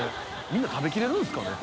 みんな食べきれるんですかね